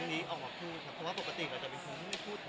เพราะว่าปกติก็จะมีคนไม่พูด